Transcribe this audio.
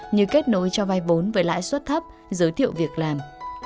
như kết nối cho vay vốn với lãi suất thấp giới thiệu việc làm